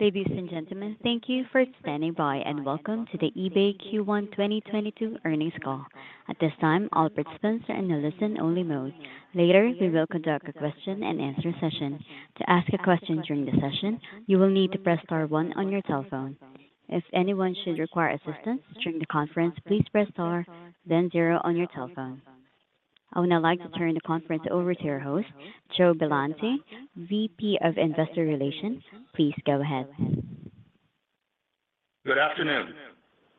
Ladies and gentlemen, thank you for standing by, and welcome to the eBay Q1 2022 earnings call. At this time, all participants are in a listen-only mode. Later, we will conduct a question-and-answer session. To ask a question during the session, you will need to press star one on your telephone. If anyone should require assistance during the conference, please press star then zero on your telephone. I would now like to turn the conference over to your host, Joe Billante, VP of Investor Relations. Please go ahead. Good afternoon.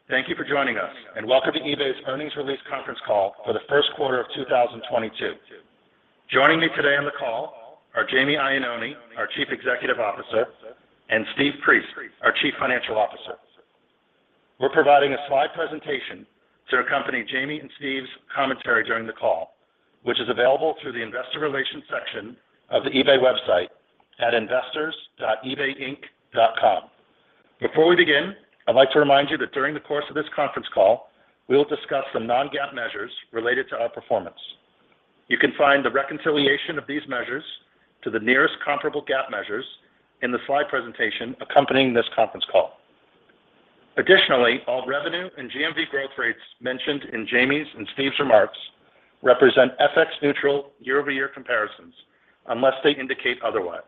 Thank you for joining us, and welcome to eBay's earnings release conference call for the first quarter of 2022. Joining me today on the call are Jamie Iannone, our Chief Executive Officer, and Steve Priest, our Chief Financial Officer. We're providing a slide presentation to accompany Jamie and Steve's commentary during the call, which is available through the investor relations section of the eBay website at investors.ebayinc.com. Before we begin, I'd like to remind you that during the course of this conference call, we will discuss some non-GAAP measures related to our performance. You can find the reconciliation of these measures to the nearest comparable GAAP measures in the slide presentation accompanying this conference call. Additionally, all revenue and GMV growth rates mentioned in Jamie's and Steve's remarks represent FX-neutral year-over-year comparisons unless they indicate otherwise.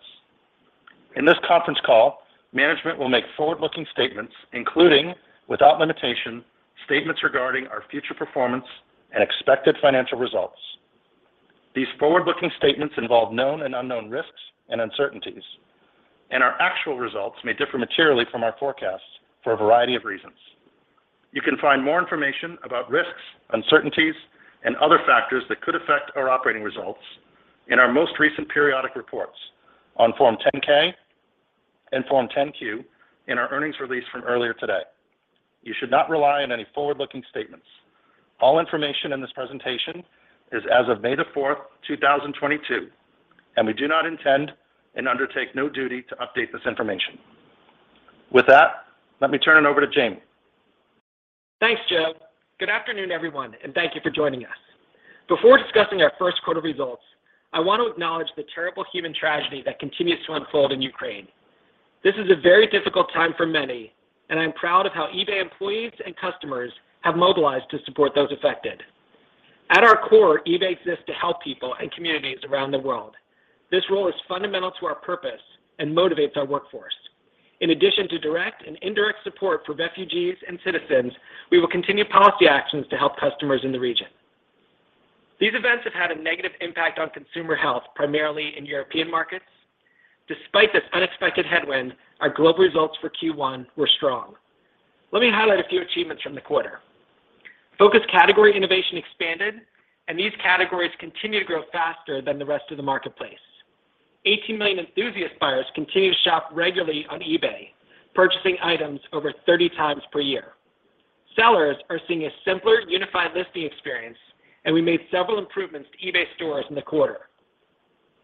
In this conference call, management will make forward-looking statements, including, without limitation, statements regarding our future performance and expected financial results. These forward-looking statements involve known and unknown risks and uncertainties, and our actual results may differ materially from our forecasts for a variety of reasons. You can find more information about risks, uncertainties, and other factors that could affect our operating results in our most recent periodic reports on Form 10-K and Form 10-Q in our earnings release from earlier today. You should not rely on any forward-looking statements. All information in this presentation is as of May 4, 2022, and we do not intend and undertake no duty to update this information. With that, let me turn it over to Jamie. Thanks, Joe. Good afternoon, everyone, and thank you for joining us. Before discussing our first quarter results, I want to acknowledge the terrible human tragedy that continues to unfold in Ukraine. This is a very difficult time for many, and I'm proud of how eBay employees and customers have mobilized to support those affected. At our core, eBay exists to help people and communities around the world. This role is fundamental to our purpose and motivates our workforce. In addition to direct and indirect support for refugees and citizens, we will continue policy actions to help customers in the region. These events have had a negative impact on consumer health, primarily in European markets. Despite this unexpected headwind, our global results for Q1 were strong. Let me highlight a few achievements from the quarter. Focus category innovation expanded, and these categories continue to grow faster than the rest of the marketplace. 18 million enthusiast buyers continue to shop regularly on eBay, purchasing items over 30x per year. Sellers are seeing a simpler, unified listing experience, and we made several improvements to eBay stores in the quarter.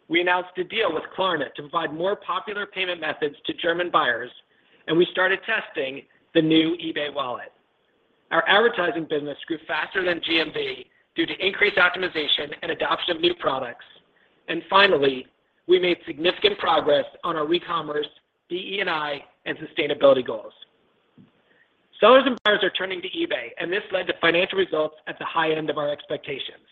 We announced a deal with Klarna to provide more popular payment methods to German buyers, and we started testing the new eBay wallet. Our advertising business grew faster than GMV due to increased optimization and adoption of new products. Finally, we made significant progress on our recommerce, DE&I, and sustainability goals. Sellers and buyers are turning to eBay, and this led to financial results at the high end of our expectations.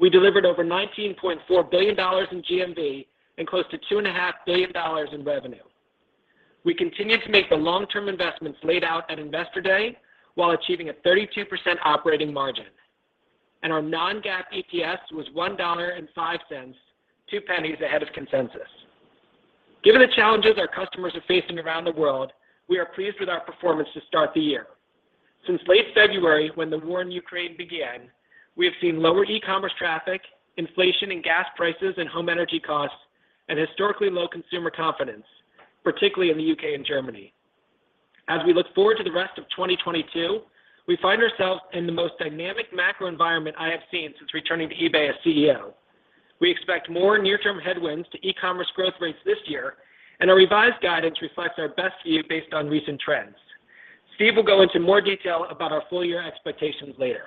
We delivered over $19.4 billion in GMV and close to $2.5 billion in revenue. We continued to make the long-term investments laid out at Investor Day while achieving a 32% operating margin. Our non-GAAP EPS was $1.05, 2 cents ahead of consensus. Given the challenges our customers are facing around the world, we are pleased with our performance to start the year. Since late February, when the war in Ukraine began, we have seen lower e-commerce traffic, inflation in gas prices and home energy costs, and historically low consumer confidence, particularly in the U.K. and Germany. As we look forward to the rest of 2022, we find ourselves in the most dynamic macro environment I have seen since returning to eBay as CEO. We expect more near-term headwinds to e-commerce growth rates this year, and our revised guidance reflects our best view based on recent trends. Steve will go into more detail about our full year expectations later.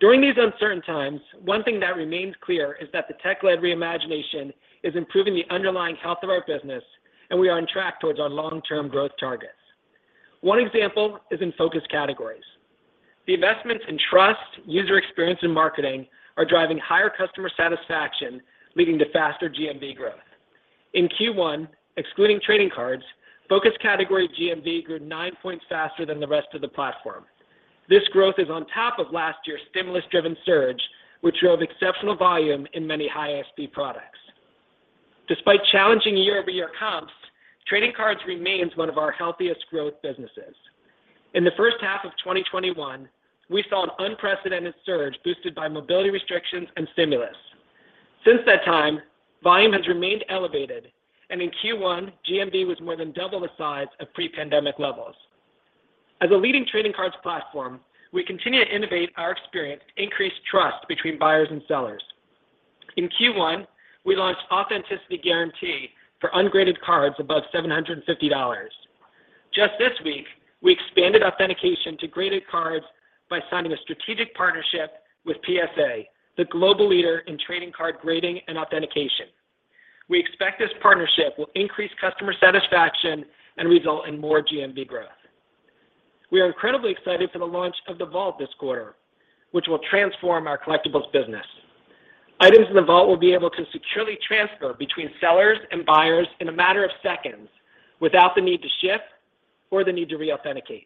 During these uncertain times, one thing that remains clear is that the tech-led reimagination is improving the underlying health of our business, and we are on track towards our long-term growth targets. One example is in focus categories. The investments in trust, user experience, and marketing are driving higher customer satisfaction, leading to faster GMV growth. In Q1, excluding trading cards, focus category GMV grew 9 points faster than the rest of the platform. This growth is on top of last year's stimulus-driven surge, which drove exceptional volume in many high ASP products. Despite challenging year-over-year comps, trading cards remains one of our healthiest growth businesses. In the first half of 2021, we saw an unprecedented surge boosted by mobility restrictions and stimulus. Since that time, volume has remained elevated, and in Q1, GMV was more than double the size of pre-pandemic levels. As a leading trading cards platform, we continue to innovate our experience to increase trust between buyers and sellers. In Q1, we launched Authenticity Guarantee for ungraded cards above $750. Just this week, we expanded authentication to graded cards by signing a strategic partnership with PSA, the global leader in trading card grading and authentication. We expect this partnership will increase customer satisfaction and result in more GMV growth. We are incredibly excited for the launch of the Vault this quarter, which will transform our collectibles business. Items in the Vault will be able to securely transfer between sellers and buyers in a matter of seconds without the need to ship or the need to reauthenticate.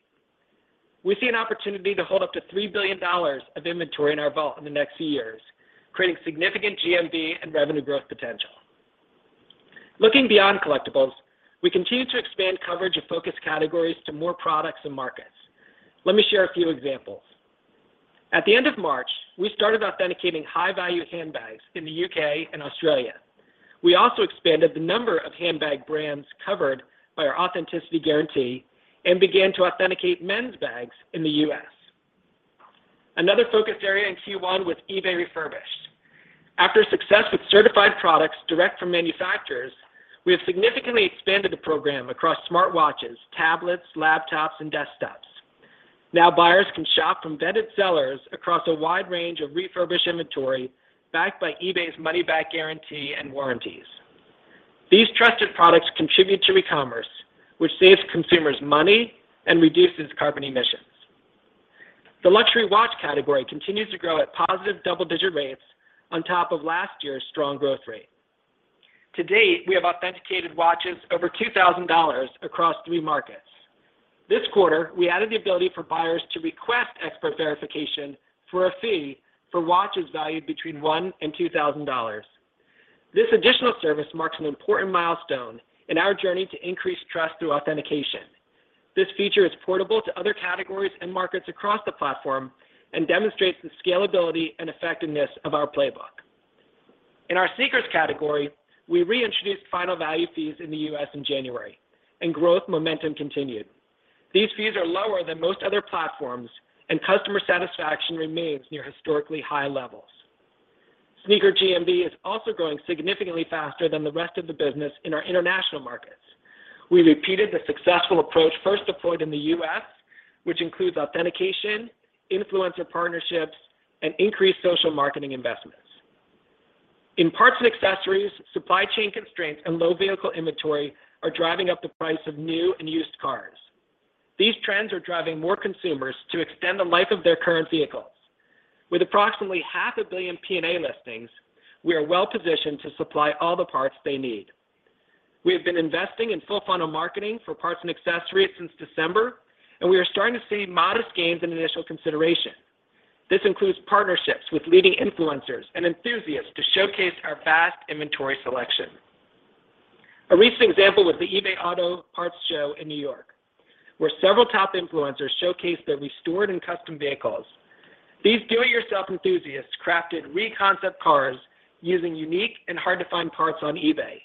We see an opportunity to hold up to $3 billion of inventory in our Vault in the next few years, creating significant GMV and revenue growth potential. Looking beyond collectibles, we continue to expand coverage of focus categories to more products and markets. Let me share a few examples. At the end of March, we started authenticating high-value handbags in the U.K. and Australia. We also expanded the number of handbag brands covered by our Authenticity Guarantee and began to authenticate men's bags in the U.S. Another focus area in Q1 was eBay Refurbished. After success with certified products direct from manufacturers, we have significantly expanded the program across smartwatches, tablets, laptops, and desktops. Now buyers can shop from vetted sellers across a wide range of refurbished inventory backed by eBay's money-back guarantee and warranties. These trusted products contribute to e-commerce, which saves consumers money and reduces carbon emissions. The luxury watch category continues to grow at positive double-digit rates on top of last year's strong growth rate. To date, we have authenticated watches over $2,000 across three markets. This quarter, we added the ability for buyers to request expert verification for a fee for watches valued between $1,000 and $2,000. This additional service marks an important milestone in our journey to increase trust through authentication. This feature is portable to other categories and markets across the platform and demonstrates the scalability and effectiveness of our playbook. In our sneakers category, we reintroduced final value fees in the U.S. in January, and growth momentum continued. These fees are lower than most other platforms, and customer satisfaction remains near historically high levels. Sneaker GMV is also growing significantly faster than the rest of the business in our international markets. We repeated the successful approach first deployed in the U.S., which includes authentication, influencer partnerships, and increased social marketing investments. In parts and accessories, supply chain constraints and low vehicle inventory are driving up the price of new and used cars. These trends are driving more consumers to extend the life of their current vehicles. With approximately 500 million P&A listings, we are well-positioned to supply all the parts they need. We have been investing in full-funnel marketing for parts and accessories since December, and we are starting to see modest gains in initial consideration. This includes partnerships with leading influencers and enthusiasts to showcase our vast inventory selection. A recent example was the eBay Auto Parts Show in New York, where several top influencers showcased their restored and custom vehicles. These do-it-yourself enthusiasts crafted re-concept cars using unique and hard-to-find parts on eBay.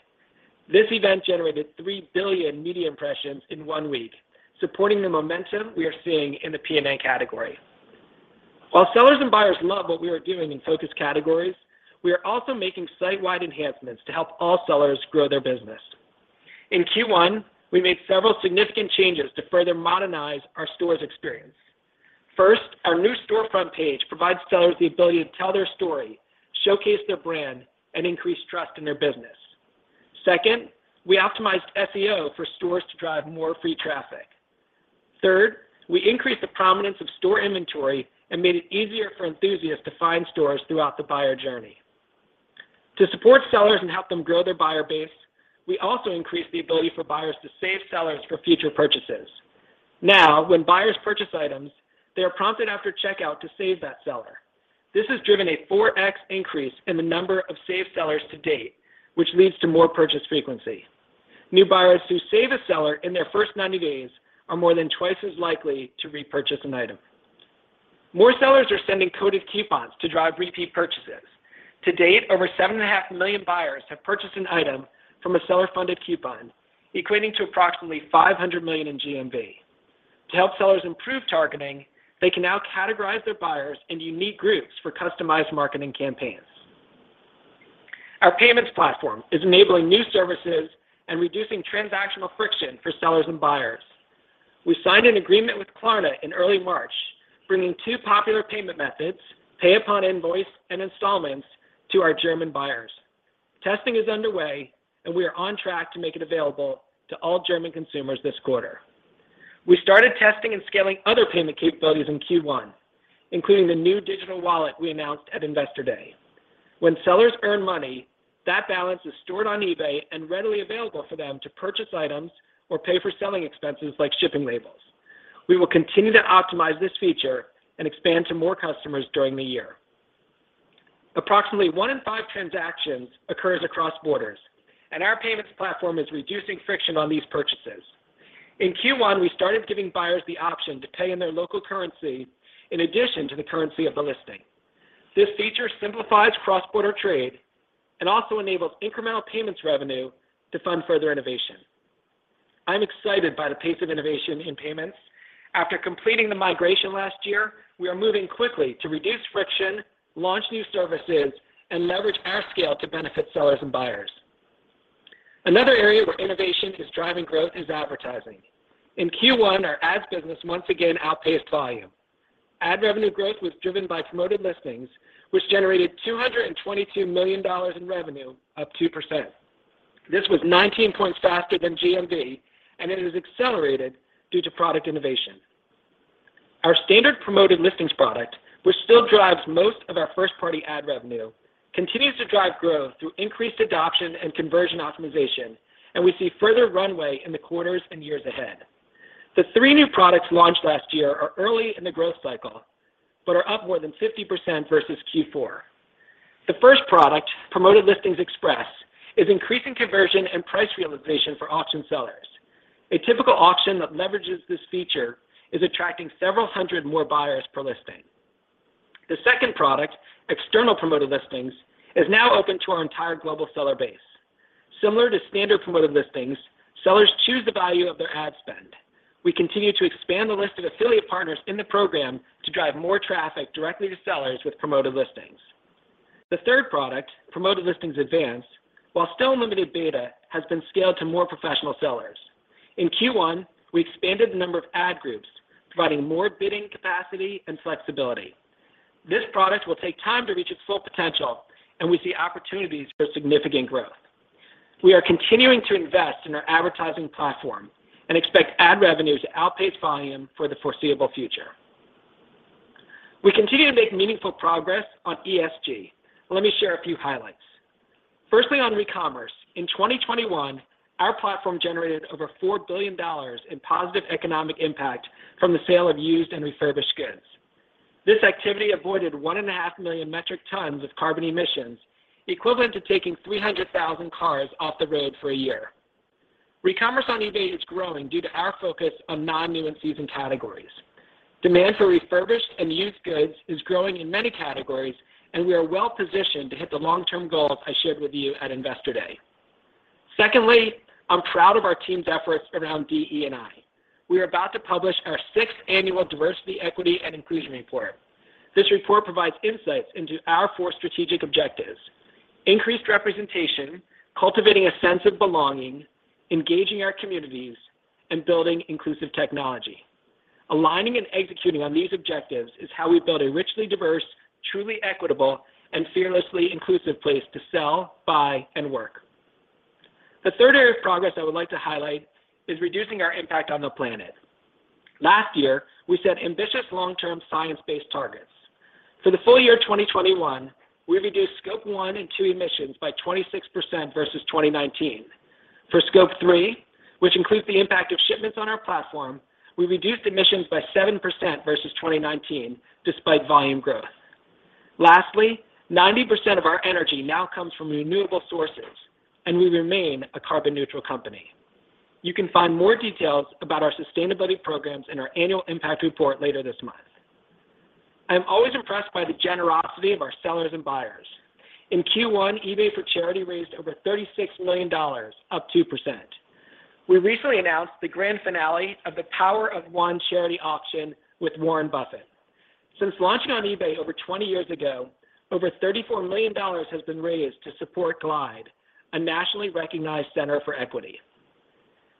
This event generated 3 billion media impressions in one week, supporting the momentum we are seeing in the P&A category. While sellers and buyers love what we are doing in focus categories, we are also making site-wide enhancements to help all sellers grow their business. In Q1, we made several significant changes to further modernize our stores experience. First, our new storefront page provides sellers the ability to tell their story, showcase their brand, and increase trust in their business. Second, we optimized SEO for stores to drive more free traffic. Third, we increased the prominence of store inventory and made it easier for enthusiasts to find stores throughout the buyer journey. To support sellers and help them grow their buyer base, we also increased the ability for buyers to save sellers for future purchases. Now, when buyers purchase items, they are prompted after checkout to save that seller. This has driven a 4x increase in the number of saved sellers to date, which leads to more purchase frequency. New buyers who save a seller in their first 90 days are more than twice as likely to repurchase an item. More sellers are sending coded coupons to drive repeat purchases. To date, over 7.5 million buyers have purchased an item from a seller-funded coupon, equating to approximately $500 million in GMV. To help sellers improve targeting, they can now categorize their buyers into unique groups for customized marketing campaigns. Our payments platform is enabling new services and reducing transactional friction for sellers and buyers. We signed an agreement with Klarna in early March, bringing two popular payment methods, pay upon invoice and installments, to our German buyers. Testing is underway, and we are on track to make it available to all German consumers this quarter. We started testing and scaling other payment capabilities in Q1, including the new digital wallet we announced at Investor Day. When sellers earn money, that balance is stored on eBay and readily available for them to purchase items or pay for selling expenses like shipping labels. We will continue to optimize this feature and expand to more customers during the year. Approximately one in five transactions occurs across borders, and our payments platform is reducing friction on these purchases. In Q1, we started giving buyers the option to pay in their local currency in addition to the currency of the listing. This feature simplifies cross-border trade and also enables incremental payments revenue to fund further innovation. I'm excited by the pace of innovation in payments. After completing the migration last year, we are moving quickly to reduce friction, launch new services, and leverage our scale to benefit sellers and buyers. Another area where innovation is driving growth is advertising. In Q1, our ads business once again outpaced volume. Ad revenue growth was driven by Promoted Listings, which generated $222 million in revenue, up 2%. This was 19 points faster than GMV, and it is accelerated due to product innovation. Our Standard Promoted Listings product, which still drives most of our first-party ad revenue, continues to drive growth through increased adoption and conversion optimization, and we see further runway in the quarters and years ahead. The three new products launched last year are early in the growth cycle but are up more than 50% versus Q4. The first product, Promoted Listings Express, is increasing conversion and price realization for auction sellers. A typical auction that leverages this feature is attracting several hundred more buyers per listing. The second product, External Promoted Listings, is now open to our entire global seller base. Similar to Standard Promoted Listings, sellers choose the value of their ad spend. We continue to expand the list of affiliate partners in the program to drive more traffic directly to sellers with Promoted Listings. The third product, Promoted Listings Advanced, while still in limited beta, has been scaled to more professional sellers. In Q1, we expanded the number of ad groups, providing more bidding capacity and flexibility. This product will take time to reach its full potential, and we see opportunities for significant growth. We are continuing to invest in our advertising platform and expect ad revenue to outpace volume for the foreseeable future. We continue to make meaningful progress on ESG. Let me share a few highlights. Firstly, on recommerce. In 2021, our platform generated over $4 billion in positive economic impact from the sale of used and refurbished goods. This activity avoided 1.5 million metric tons of carbon emissions, equivalent to taking 300,000 cars off the road for a year. Recommerce on eBay is growing due to our focus on non-new and seasoned categories. Demand for refurbished and used goods is growing in many categories, and we are well-positioned to hit the long-term goal I shared with you at Investor Day. Secondly, I'm proud of our team's efforts around DE&I. We are about to publish our 6th annual Diversity, Equity and Inclusion Report. This report provides insights into our four strategic objectives, increased representation, cultivating a sense of belonging, engaging our communities, and building inclusive technology. Aligning and executing on these objectives is how we build a richly diverse, truly equitable, and fearlessly inclusive place to sell, buy, and work. The third area of progress I would like to highlight is reducing our impact on the planet. Last year, we set ambitious long-term science-based targets. For the full year of 2021, we reduced Scope 1 and 2 emissions by 26% versus 2019. For Scope 3, which includes the impact of shipments on our platform, we reduced emissions by 7% versus 2019 despite volume growth. Lastly, 90% of our energy now comes from renewable sources, and we remain a carbon-neutral company. You can find more details about our sustainability programs in our annual impact report later this month. I am always impressed by the generosity of our sellers and buyers. In Q1, eBay for Charity raised over $36 million, up 2%. We recently announced the grand finale of the Power of One charity auction with Warren Buffett. Since launching on eBay over 20 years ago, over $34 million has been raised to support GLIDE, a nationally recognized center for equity.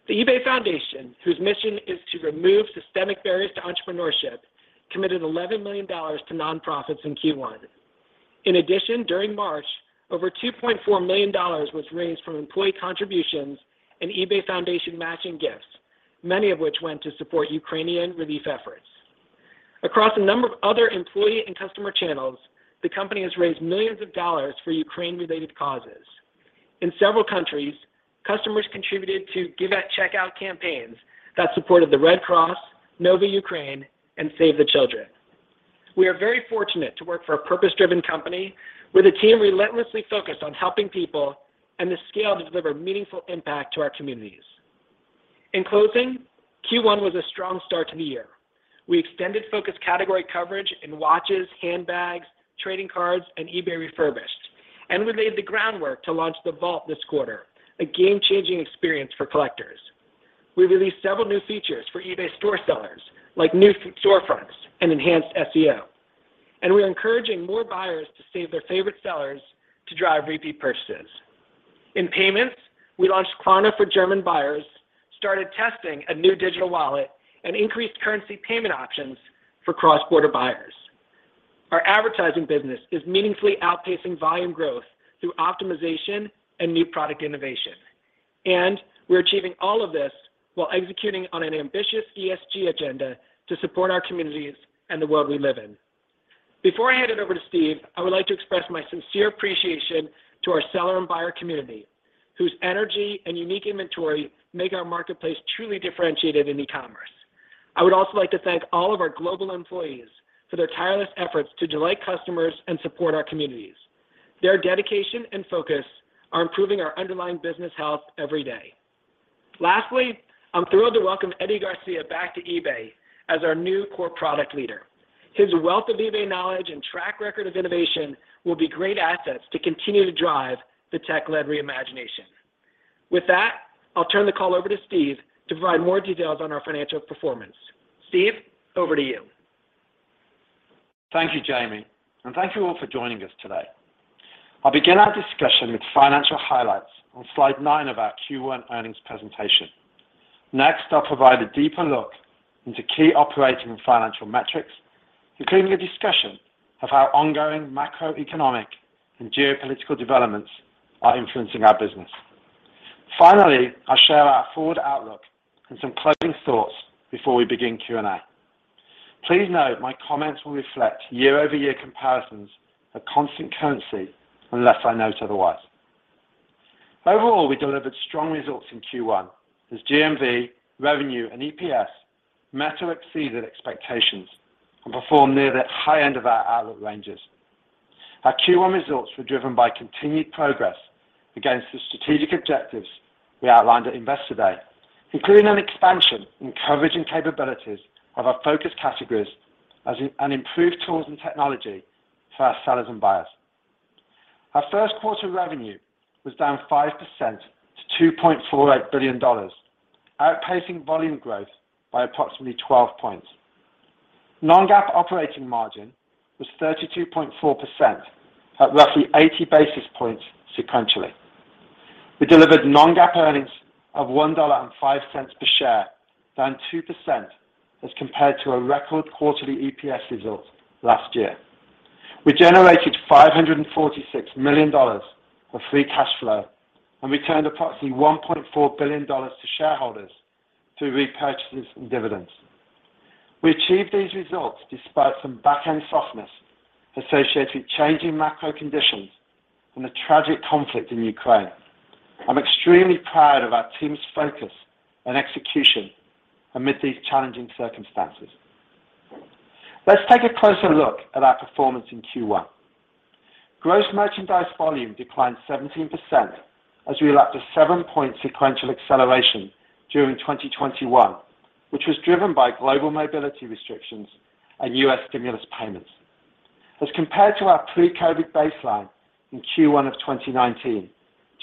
The eBay Foundation, whose mission is to remove systemic barriers to entrepreneurship, committed $11 million to nonprofits in Q1. In addition, during March, over $2.4 million was raised from employee contributions and eBay Foundation matching gifts, many of which went to support Ukrainian relief efforts. Across a number of other employee and customer channels, the company has raised millions of dollars for Ukraine-related causes. In several countries, customers contributed to Give at Checkout campaigns that supported the Red Cross, Nova Ukraine, and Save the Children. We are very fortunate to work for a purpose-driven company with a team relentlessly focused on helping people and the scale to deliver meaningful impact to our communities. In closing, Q1 was a strong start to the year. We extended focused category coverage in watches, handbags, trading cards, and eBay Refurbished, and we laid the groundwork to launch the Vault this quarter, a game-changing experience for collectors. We released several new features for eBay store sellers, like new storefronts and enhanced SEO. We're encouraging more buyers to save their favorite sellers to drive repeat purchases. In payments, we launched Klarna for German buyers, started testing a new digital wallet, and increased currency payment options for cross-border buyers. Our advertising business is meaningfully outpacing volume growth through optimization and new product innovation. We're achieving all of this while executing on an ambitious ESG agenda to support our communities and the world we live in. Before I hand it over to Steve, I would like to express my sincere appreciation to our seller and buyer community, whose energy and unique inventory make our marketplace truly differentiated in e-commerce. I would also like to thank all of our global employees for their tireless efforts to delight customers and support our communities. Their dedication and focus are improving our underlying business health every day. Lastly, I'm thrilled to welcome Eddie Garcia back to eBay as our new core product leader. His wealth of eBay knowledge and track record of innovation will be great assets to continue to drive the tech-led reimagination. With that, I'll turn the call over to Steve to provide more details on our financial performance. Steve, over to you. Thank you, Jamie, and thank you all for joining us today. I'll begin our discussion with financial highlights on Slide nine of our Q1 earnings presentation. Next, I'll provide a deeper look into key operating and financial metrics, including a discussion of how ongoing macroeconomic and geopolitical developments are influencing our business. Finally, I'll share our forward outlook and some closing thoughts before we begin Q&A. Please note my comments will reflect year-over-year comparisons of constant currency, unless I note otherwise. Overall, we delivered strong results in Q1 as GMV, revenue, and EPS met or exceeded expectations and performed near the high end of our outlook ranges. Our Q1 results were driven by continued progress against the strategic objectives we outlined at Investor Day, including an expansion in coverage and capabilities of our focus categories and improved tools and technology for our sellers and buyers. Our first quarter revenue was down 5% to $2.48 billion, outpacing volume growth by approximately 12 points. Non-GAAP operating margin was 32.4% at roughly 80 basis points sequentially. We delivered non-GAAP earnings of $1.05 per share, down 2% as compared to a record quarterly EPS result last year. We generated $546 million of free cash flow and returned approximately $1.4 billion to shareholders through repurchases and dividends. We achieved these results despite some back-end softness associated with changing macro conditions and the tragic conflict in Ukraine. I'm extremely proud of our team's focus and execution amid these challenging circumstances. Let's take a closer look at our performance in Q1. Gross merchandise volume declined 17% as we lacked a 7 point sequential acceleration during 2021, which was driven by global mobility restrictions and U.S. stimulus payments. As compared to our pre-COVID baseline in Q1 of 2019,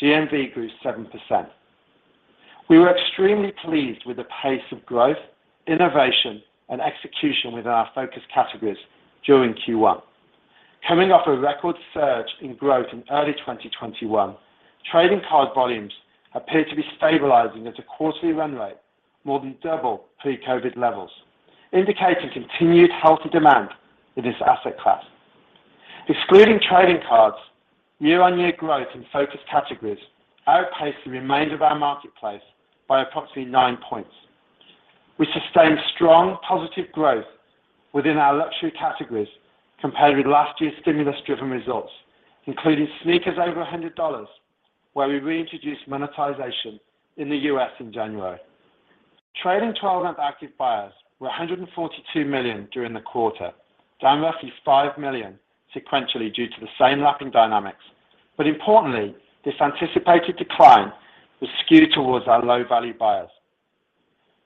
GMV grew 7%. We were extremely pleased with the pace of growth, innovation, and execution within our focus categories during Q1. Coming off a record surge in growth in early 2021, trading card volumes appear to be stabilizing at a quarterly run rate more than double pre-COVID levels, indicating continued healthy demand in this asset class. Excluding trading cards, year-on-year growth in focus categories outpaced the remainder of our marketplace by approximately 9 points. We sustained strong positive growth within our luxury categories compared with last year's stimulus driven results, including sneakers over $100, where we reintroduced monetization in the U.S. in January. Trailing 12-month active buyers were 142 million during the quarter, down roughly 5 million sequentially due to the same lagging dynamics. Importantly, this anticipated decline was skewed towards our low-value buyers.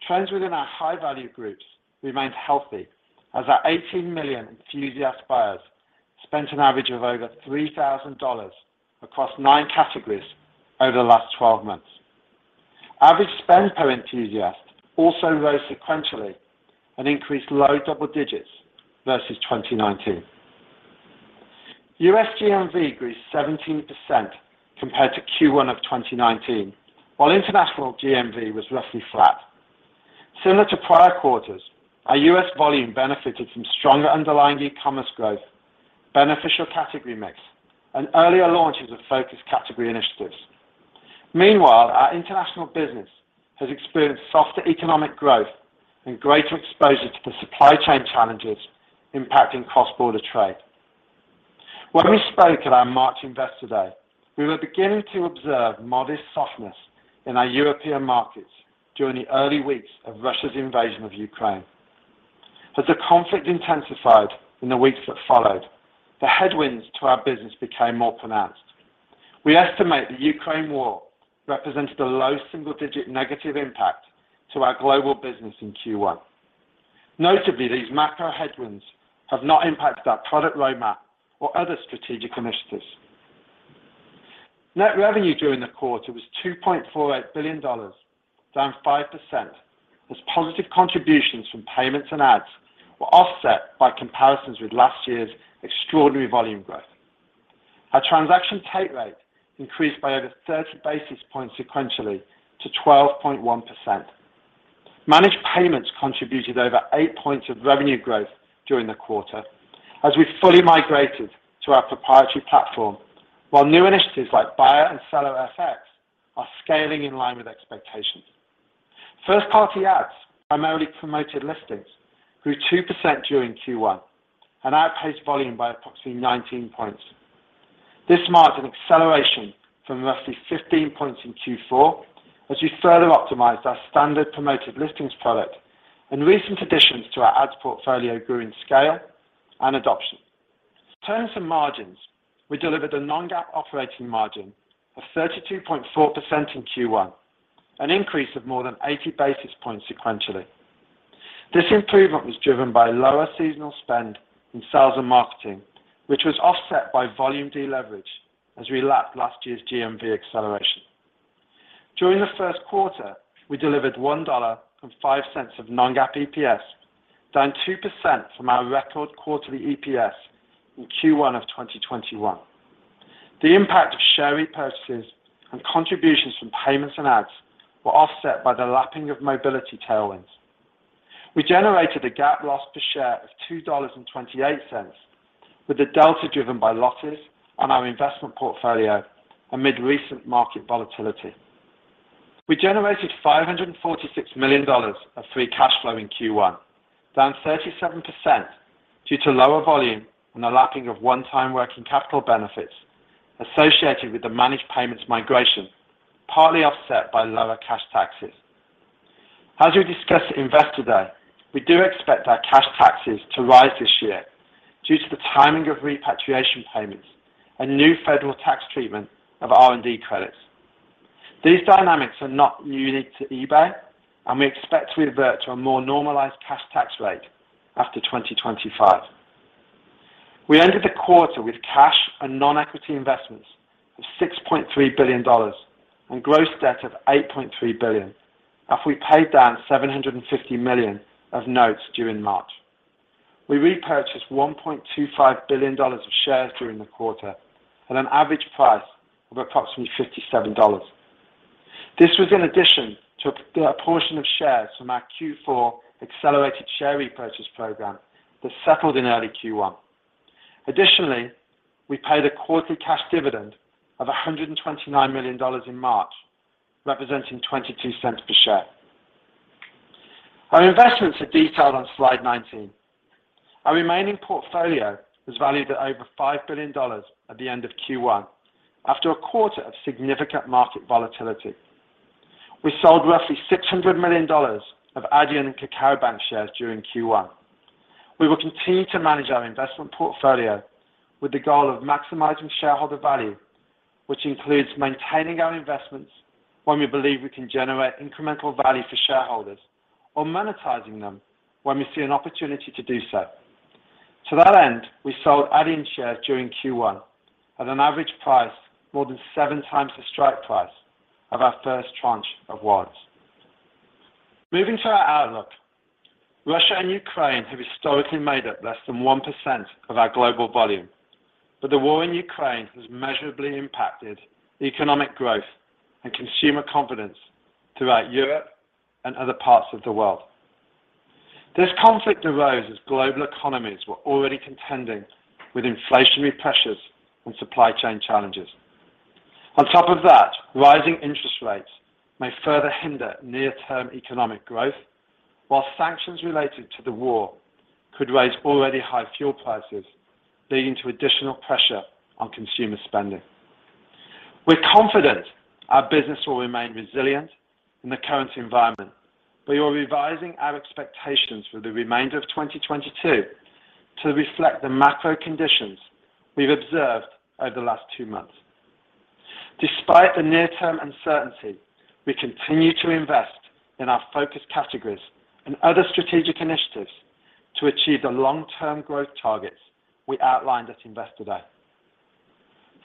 Trends within our high-value groups remained healthy as our 18 million enthusiast buyers spent an average of over $3,000 across nine categories over the last 12 months. Average spend per enthusiast also rose sequentially and increased low double digits versus 2019. U.S. GMV grew 17% compared to Q1 of 2019, while international GMV was roughly flat. Similar to prior quarters, our U.S. volume benefited from stronger underlying e-commerce growth, beneficial category mix, and earlier launches of focus category initiatives. Meanwhile, our international business has experienced softer economic growth and greater exposure to the supply chain challenges impacting cross-border trade. When we spoke at our March Investor Day, we were beginning to observe modest softness in our European markets during the early weeks of Russia's invasion of Ukraine. As the conflict intensified in the weeks that followed, the headwinds to our business became more pronounced. We estimate the Ukraine war represents the low single digit negative impact to our global business in Q1. Notably, these macro headwinds have not impacted our product roadmap or other strategic initiatives. Net revenue during the quarter was $2.48 billion, down 5% as positive contributions from payments and ads were offset by comparisons with last year's extraordinary volume growth. Our transaction take rate increased by over 30 basis points sequentially to 12.1%. Managed payments contributed over 8 points of revenue growth during the quarter as we fully migrated to our proprietary platform, while new initiatives like Buyer and Seller FX are scaling in line with expectations. First party ads, Primarily Promoted Listings, grew 2% during Q1 and outpaced volume by approximately 19 points. This marks an acceleration from roughly 15 points in Q4 as we further optimized our Standard Promoted Listings product and recent additions to our ads portfolio grew in scale and adoption. In terms of margins, we delivered a non-GAAP operating margin of 32.4% in Q1, an increase of more than 80 basis points sequentially. This improvement was driven by lower seasonal spend in sales and marketing, which was offset by volume deleverage as we lapped last year's GMV acceleration. During the first quarter, we delivered $1.05 of non-GAAP EPS, down 2% from our record quarterly EPS in Q1 of 2021. The impact of share repurchases and contributions from payments and ads were offset by the lapping of mobility tailwinds. We generated a GAAP loss per share of $2.28, with the delta driven by losses on our investment portfolio amid recent market volatility. We generated $546 million of free cash flow in Q1, down 37% due to lower volume and the lapping of one-time working capital benefits associated with the managed payments migration, partly offset by lower cash taxes. As we discussed at Investor Day, we do expect our cash taxes to rise this year due to the timing of repatriation payments and new federal tax treatment of R&D credits. These dynamics are not unique to eBay, and we expect to revert to a more normalized cash tax rate after 2025. We ended the quarter with cash and non-equity investments of $6.3 billion and gross debt of $8.3 billion after we paid down $750 million of notes due in March. We repurchased $1.25 billion of shares during the quarter at an average price of approximately $57. This was in addition to a portion of shares from our Q4 accelerated share repurchase program that settled in early Q1. Additionally, we paid a quarterly cash dividend of $129 million in March, representing $0.22 per share. Our investments are detailed on Slide 19. Our remaining portfolio was valued at over $5 billion at the end of Q1 after a quarter of significant market volatility. We sold roughly $600 million of Adyen and Kakao Bank shares during Q1. We will continue to manage our investment portfolio with the goal of maximizing shareholder value, which includes maintaining our investments when we believe we can generate incremental value for shareholders, or monetizing them when we see an opportunity to do so. To that end, we sold Adyen shares during Q1 at an average price more than 7x the strike price of our first tranche of warrants. Moving to our outlook. Russia and Ukraine have historically made up less than 1% of our global volume, but the war in Ukraine has measurably impacted economic growth and consumer confidence throughout Europe and other parts of the world. This conflict arose as global economies were already contending with inflationary pressures and supply chain challenges. On top of that, rising interest rates may further hinder near-term economic growth, while sanctions related to the war could raise already high fuel prices, leading to additional pressure on consumer spending. We're confident our business will remain resilient in the current environment, but we're revising our expectations for the remainder of 2022 to reflect the macro conditions we've observed over the last two months. Despite the near-term uncertainty, we continue to invest in our focus categories and other strategic initiatives to achieve the long-term growth targets we outlined at Investor Day.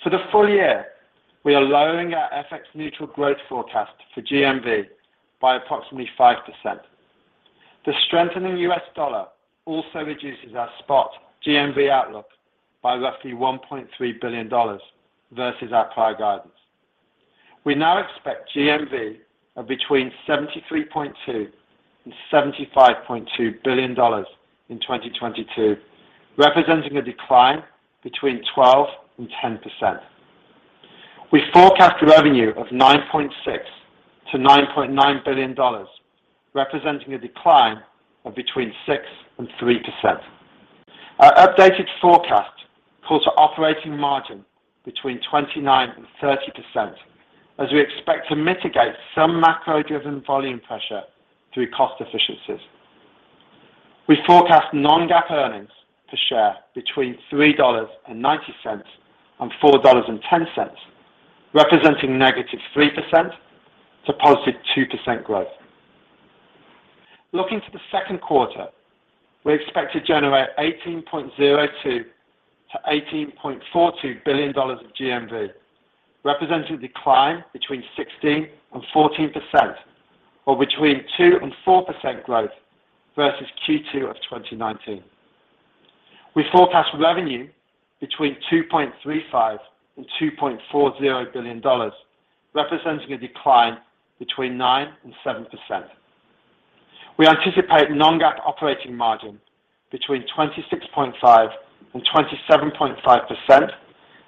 For the full year, we are lowering our FX-neutral growth forecast for GMV by approximately 5%. The strengthening US dollar also reduces our spot GMV outlook by roughly $1.3 billion versus our prior guidance. We now expect GMV of between $73.2 billion and $75.2 billion in 2022, representing a decline between 12% and 10%. We forecast revenue of $9.6 billion-$9.9 billion, representing a decline of between 6% and 3%. Our updated forecast calls for operating margin between 29% and 30%, as we expect to mitigate some macro-driven volume pressure through cost efficiencies. We forecast non-GAAP earnings per share between $3.90 and $4.10, representing -3% to +2% growth. Looking to the second quarter, we expect to generate $18.02 billion-$18.42 billion of GMV, representing a decline between 16% and 14% or between 2% and 4% growth versus Q2 of 2019. We forecast revenue between $2.35 billion and $2.40 billion, representing a decline between 9% and 7%. We anticipate non-GAAP operating margin between 26.5% and 27.5%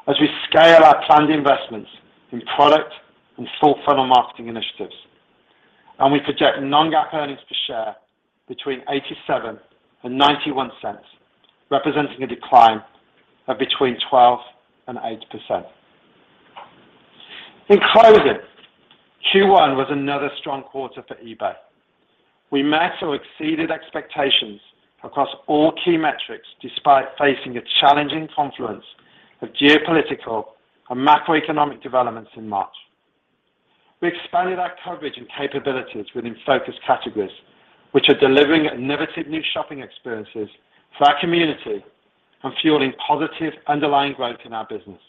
as we scale our planned investments in product and full-funnel marketing initiatives. We project non-GAAP earnings per share between $0.87 and $0.91, representing a decline of between 12% and 8%. In closing, Q1 was another strong quarter for eBay. We met or exceeded expectations across all key metrics despite facing a challenging confluence of geopolitical and macroeconomic developments in March. We expanded our coverage and capabilities within focus categories, which are delivering innovative new shopping experiences for our community and fueling positive underlying growth in our business.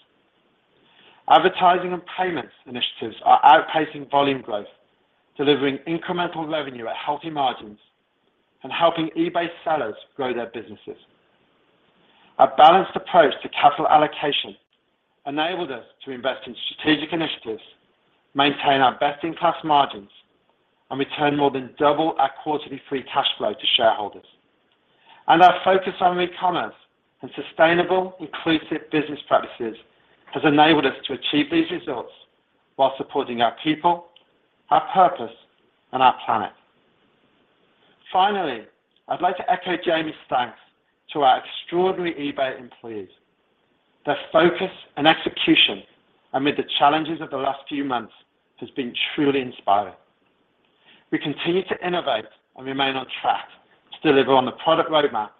Advertising and payments initiatives are outpacing volume growth, delivering incremental revenue at healthy margins and helping eBay sellers grow their businesses. Our balanced approach to capital allocation enabled us to invest in strategic initiatives, maintain our best-in-class margins, and return more than double our quarterly free cash flow to shareholders. Our focus on e-commerce and sustainable, inclusive business practices has enabled us to achieve these results while supporting our people, our purpose, and our planet. Finally, I'd like to echo Jamie's thanks to our extraordinary eBay employees. Their focus and execution amid the challenges of the last few months has been truly inspiring. We continue to innovate and remain on track to deliver on the product roadmap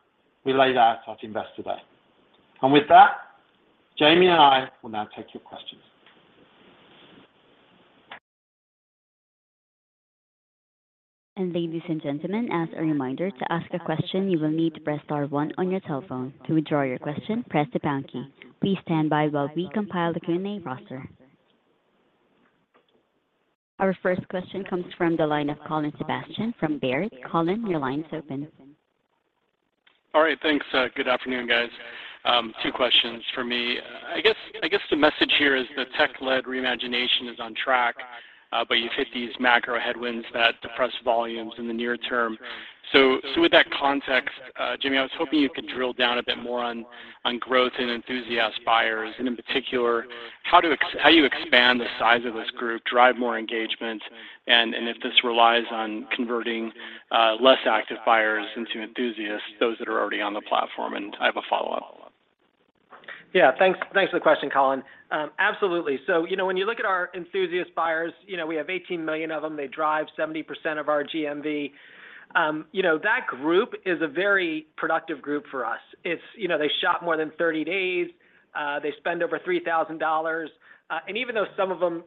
we laid out at Investor Day. With that, Jamie and I will now take your questions. Ladies and gentlemen, as a reminder, to ask a question, you will need to press star one on your telephone. To withdraw your question, press the pound key. Please stand by while we compile the Q&A roster. Our first question comes from the line of Colin Sebastian from Baird. Colin, your line is open. All right. Thanks. Good afternoon, guys. Two questions for me. I guess the message here is the tech-led reimagination is on track, but you've hit these macro headwinds that depress volumes in the near term. So with that context, Jamie, I was hoping you could drill down a bit more on growth in enthusiast buyers, and in particular, how you expand the size of this group, drive more engagement, and if this relies on converting less active buyers into enthusiasts, those that are already on the platform, and I have a follow-up. Yeah. Thanks for the question, Colin. Absolutely. You know, when you look at our enthusiast buyers, you know, we have 18 million of them. They drive 70% of our GMV. You know, that group is a very productive group for us. You know, they shop more than 30 days, they spend over $3,000. Even though some of them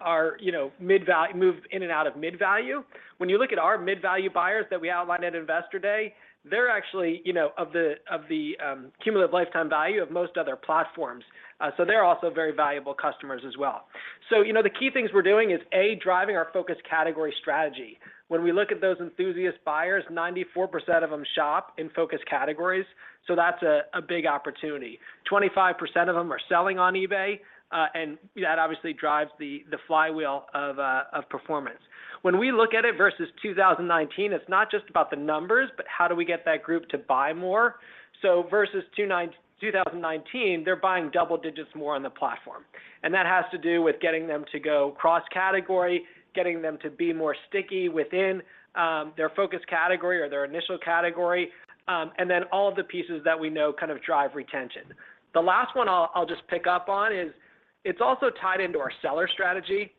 are, you know, mid-value, move in and out of mid-value, when you look at our mid-value buyers that we outlined at Investor Day, they're actually, you know, of the cumulative lifetime value of most other platforms. They're also very valuable customers as well. You know, the key things we're doing is A, driving our focus category strategy. When we look at those enthusiast buyers, 94% of them shop in focus categories, that's a big opportunity. 25% of them are selling on eBay, and that obviously drives the flywheel of performance. When we look at it versus 2019, it's not just about the numbers, but how do we get that group to buy more. Versus 2019, they're buying double digits more on the platform. That has to do with getting them to go cross-category, getting them to be more sticky within their focus category or their initial category, and then all the pieces that we know kind of drive retention. The last one I'll just pick up on is it's also tied into our seller strategy.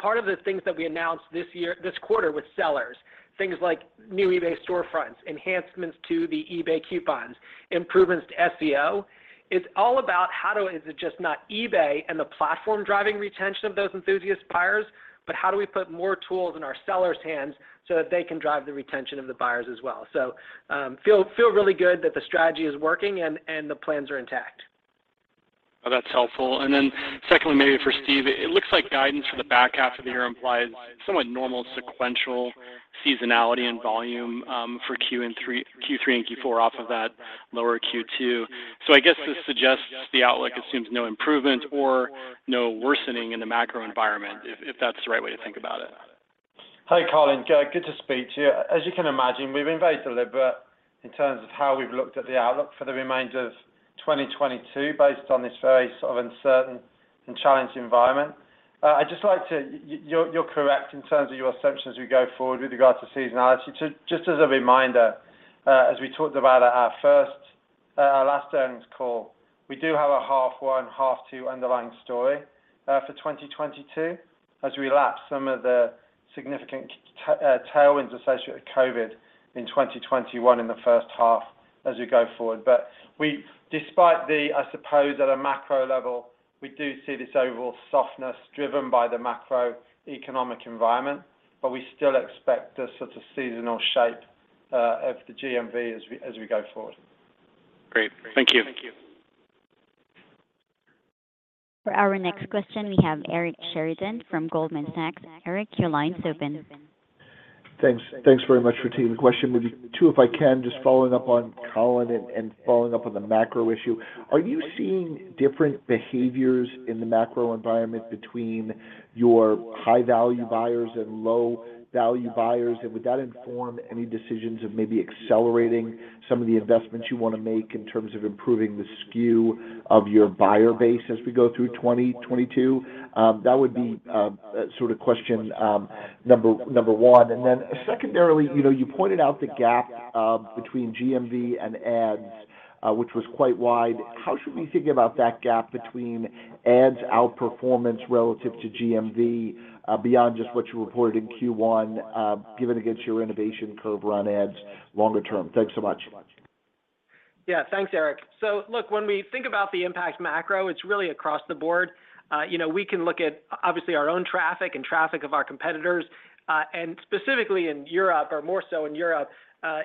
Part of the things that we announced this quarter with sellers, things like new eBay storefronts, enhancements to the eBay coupons, improvements to SEO, it's all about how it's just not eBay and the platform driving retention of those enthusiast buyers, but how do we put more tools in our sellers' hands so that they can drive the retention of the buyers as well. Feel really good that the strategy is working and the plans are intact. Well, that's helpful. Secondly, maybe for Steve, it looks like guidance for the back half of the year implies somewhat normal sequential seasonality and volume for Q3 and Q4 off of that lower Q2. I guess this suggests the outlook assumes no improvement or no worsening in the macro environment if that's the right way to think about it. Hi, Colin. Good to speak to you. As you can imagine, we've been very deliberate in terms of how we've looked at the outlook for the remainder of 2022 based on this very sort of uncertain and challenging environment. You're correct in terms of your assumptions as we go forward with regard to seasonality. Just as a reminder, as we talked about at our last earnings call, we do have a half one, half two underlying story for 2022 as we lap some of the significant tailwinds associated with COVID in 2021 in the first half as we go forward. We, despite the, I suppose, at a macro level, do see this overall softness driven by the macroeconomic environment, but we still expect a sort of seasonal shape of the GMV as we go forward. Great. Thank you. For our next question, we have Eric Sheridan from Goldman Sachs. Eric, your line's open. Thanks. Thanks very much for taking the question. Maybe two, if I can, just following up on Colin and following-up on the macro issue. Are you seeing different behaviors in the macro environment between your high-value buyers and low-value buyers? Would that inform any decisions of maybe accelerating some of the investments you want to make in terms of improving the SKU of your buyer base as we go through 2022? That would be sort of question number one. Then secondarily, you know, you pointed out the gap between GMV and ads, which was quite wide. How should we think about that gap between ads outperformance relative to GMV, beyond just what you reported in Q1, given your innovation curve around ads longer term? Thanks so much. Yeah, thanks, Eric. Look, when we think about the impact macro, it's really across the board. You know we can look at obviously our own traffic and traffic of our competitors, and specifically in Europe or more so in Europe,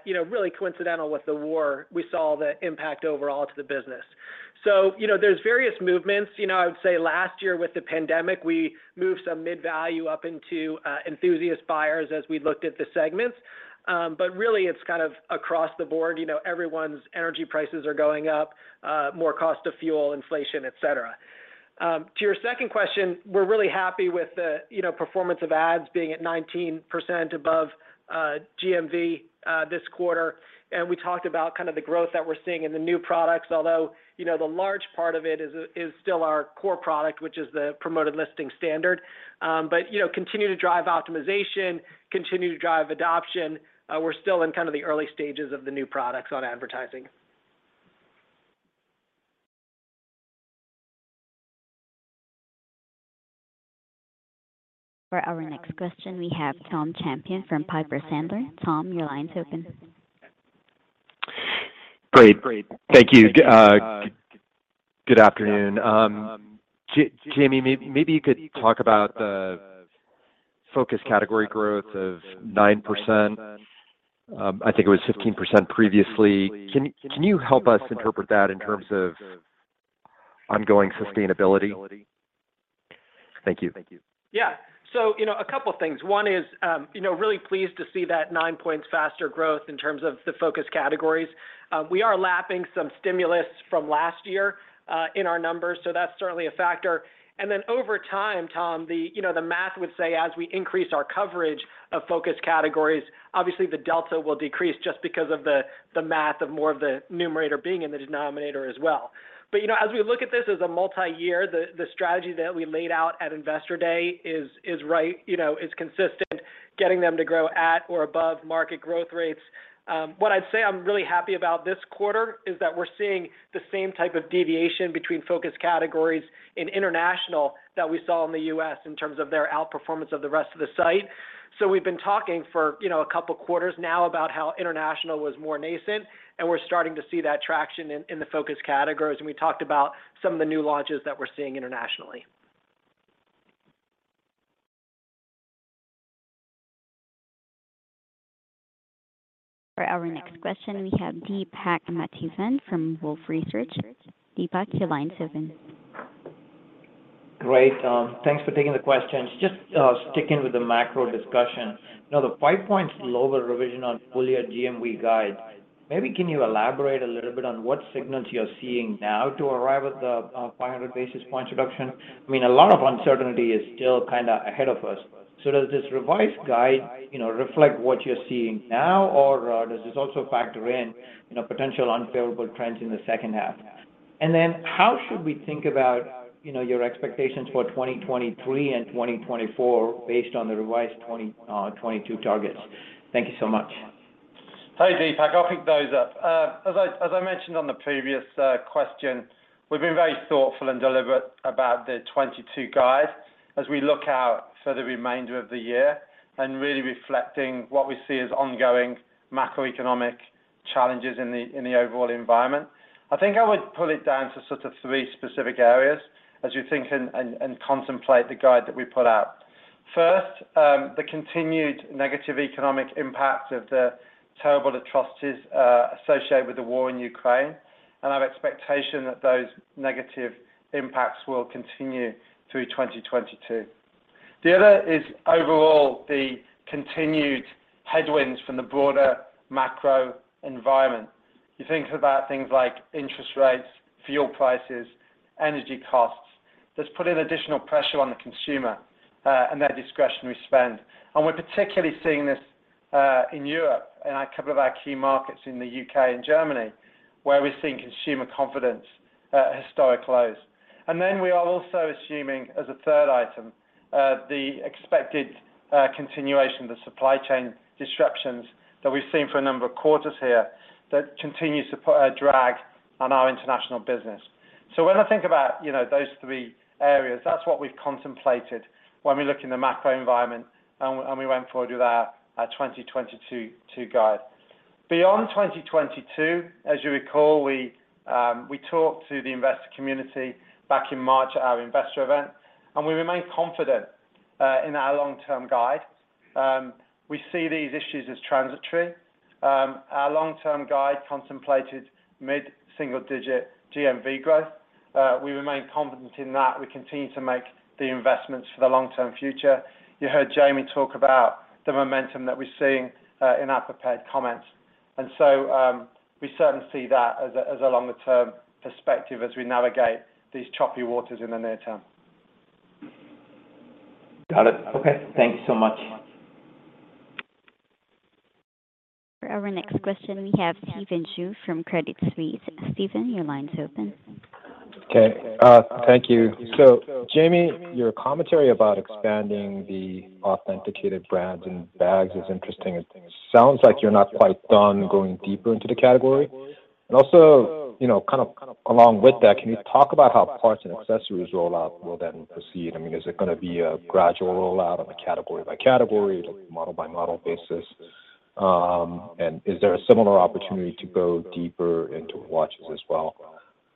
you know, really coincidental with the war, we saw the impact overall to the business. You know, there's various movements. You know, I would say last year with the pandemic, we moved some mid-value up into enthusiast buyers as we looked at the segments. But really, it's kind of across the board, you know, everyone's energy prices are going up, more cost of fuel inflation, et cetera. To your second question, we're really happy with the performance of ads being at 19% above GMV this quarter. We talked about kind of the growth that we're seeing in the new products. Although, you know, the large part of it is still our core product, which is the Promoted Listings Standard. But, you know, continue to drive optimization, continue to drive adoption. We're still in kind of the early stages of the new products on advertising. For our next question, we have Tom Champion from Piper Sandler. Tom, your line's open. Great. Thank you. Good afternoon. Jamie, maybe you could talk about the focus category growth of 9%. I think it was 15% previously. Can you help us interpret that in terms of ongoing sustainability? Thank you. Yeah. You know, a couple of things. One is, you know, really pleased to see that 9 points faster growth in terms of the focus categories. We are lapping some stimulus from last year in our numbers, so that's certainly a factor. Then over time, Tom, the, you know, the math would say as we increase our coverage of focus categories, obviously the delta will decrease just because of the math of more of the numerator being in the denominator as well. You know, as we look at this as a multi-year, the strategy that we laid out at Investor Day is right, you know, is consistent, getting them to grow at or above market growth rates. What I'd say I'm really happy about this quarter is that we're seeing the same type of deviation between focus categories in international that we saw in the U.S. in terms of their outperformance of the rest of the site. We've been talking for, you know, a couple quarters now about how international was more nascent, and we're starting to see that traction in the focus categories. We talked about some of the new launches that we're seeing internationally. For our next question, we have Deepak Mathivanan from Wolfe Research. Deepak, your line's open. Great, thanks for taking the questions. Just sticking with the macro discussion. You know, the 5 points lower revision on full year GMV guide, maybe can you elaborate a little bit on what signals you're seeing now to arrive at the 500 basis points reduction? I mean, a lot of uncertainty is still kinda ahead of us. So does this revised guide, you know, reflect what you're seeing now? Or does this also factor in, you know, potential unfavorable trends in the second half? And then how should we think about, you know, your expectations for 2023 and 2024 based on the revised 2022 targets? Thank you so much. Hey, Deepak. I'll pick those up. As I mentioned on the previous question, we've been very thoughtful and deliberate about the 2022 guide as we look out for the remainder of the year and really reflecting what we see as ongoing macroeconomic challenges in the overall environment. I think I would pull it down to sort of three specific areas as you think and contemplate the guide that we put out. First, the continued negative economic impact of the terrible atrocities associated with the war in Ukraine. Our expectation that those negative impacts will continue through 2022. The other is overall the continued headwinds from the broader macro environment. You think about things like interest rates, fuel prices, energy costs, that's putting additional pressure on the consumer and their discretionary spend. We're particularly seeing this in Europe and a couple of our key markets in the U.K. and Germany, where we're seeing consumer confidence at historic lows. We are also assuming as a third item the expected continuation of the supply chain disruptions that we've seen for a number of quarters here that continues to put a drag on our international business. When I think about you know those three areas, that's what we've contemplated when we look in the macro environment and we went forward with our 2022 guide. Beyond 2022, as you recall, we talked to the investor community back in March at our investor event, and we remain confident in our long-term guide. We see these issues as transitory. Our long-term guide contemplated mid-single-digit GMV growth. We remain confident in that. We continue to make the investments for the long-term future. You heard Jamie talk about the momentum that we're seeing in our prepared comments. We certainly see that as a longer-term perspective as we navigate these choppy waters in the near term. Got it. Okay, thanks so much. For our next question, we have Stephen Ju from Credit Suisse. Stephen, your line's open. Okay, thank you. Jamie, your commentary about expanding the authenticated brands and bags is interesting. It sounds like you're not quite done going deeper into the category. You know, kind of along with that, can you talk about how parts and accessories rollout will then proceed? I mean, is it gonna be a gradual rollout on a category by category, model by model basis? And is there a similar opportunity to go deeper into watches as well?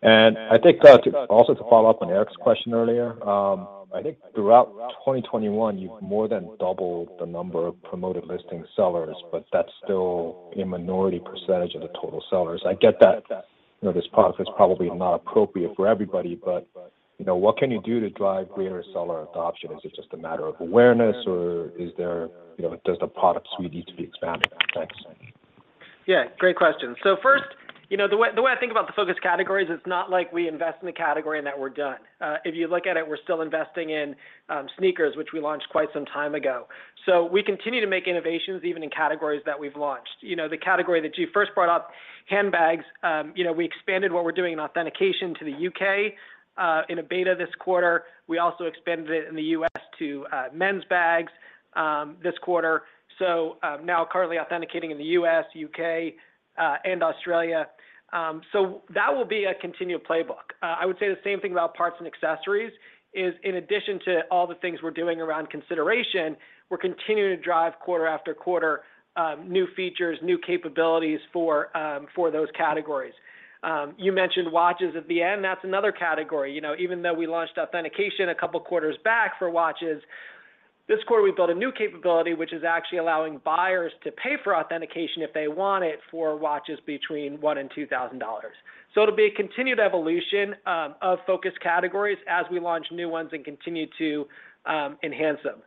I think to also follow up on Eric's question earlier, I think throughout 2021, you've more than doubled the number of Promoted Listings sellers, but that's still a minority percentage of the total sellers. I get that, you know, this product is probably not appropriate for everybody, but, you know, what can you do to drive greater seller adoption? Is it just a matter of awareness or is there, you know, does the product suite need to be expanded? Thanks. Yeah, great question. First, you know, the way I think about the focus categories, it's not like we invest in the category and that we're done. If you look at it, we're still investing in sneakers, which we launched quite some time ago. We continue to make innovations even in categories that we've launched. You know, the category that you first brought up, handbags, you know, we expanded what we're doing in authentication to the U.K. in a beta this quarter. We also expanded it in the U.S. to men's bags this quarter, so now currently authenticating in the U.S., U.K., and Australia. That will be a continued playbook. I would say the same thing about parts and accessories is in addition to all the things we're doing around consideration, we're continuing to drive quarter after quarter, new features, new capabilities for those categories. You mentioned watches at the end, that's another category. You know, even though we launched authentication a couple quarters back for watches, this quarter, we built a new capability, which is actually allowing buyers to pay for authentication if they want it for watches between $1 and $2,000. It'll be a continued evolution, of focus categories as we launch new ones and continue to, enhance them.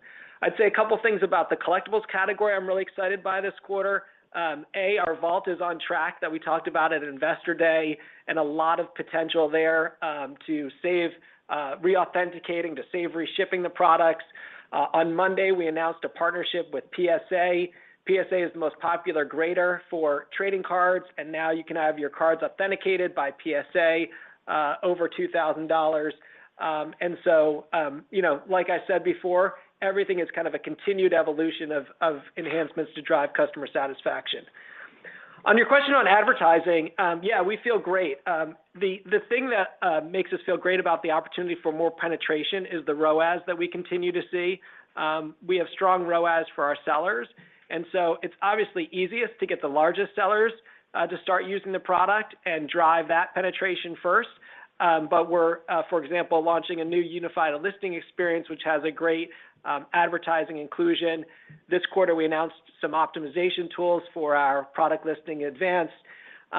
I'd say a couple things about the collectibles category. I'm really excited by this quarter. Our Vault is on track that we talked about at Investor Day, and a lot of potential there to save re-authenticating, to save reshipping the products. On Monday, we announced a partnership with PSA. PSA is the most popular grader for trading cards, and now you can have your cards authenticated by PSA over $2,000. You know, like I said before, everything is kind of a continued evolution of enhancements to drive customer satisfaction. On your question on advertising, yeah, we feel great. The thing that makes us feel great about the opportunity for more penetration is the ROAS that we continue to see. We have strong ROAS for our sellers, it's obviously easiest to get the largest sellers to start using the product and drive that penetration first. We're, for example, launching a new unified listing experience, which has a great advertising inclusion. This quarter, we announced some optimization tools for our Promoted Listings Advanced.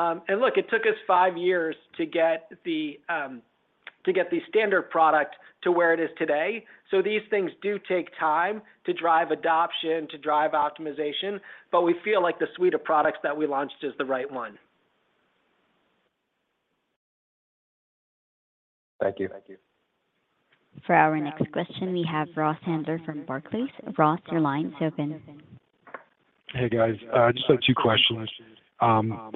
Look, it took us five years to get the standard product to where it is today. These things do take time to drive adoption, to drive optimization, but we feel like the suite of products that we launched is the right one. Thank you. For our next question, we have Ross Sandler from Barclays. Ross, your line's open. Hey, guys. Just have two questions.